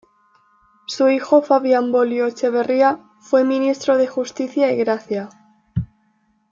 Su hijo Fabián Volio Echeverría fue Ministro de Justicia y Gracia.